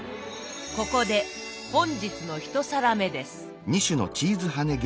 ここで本日の１皿目です。